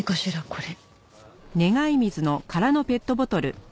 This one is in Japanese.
これ。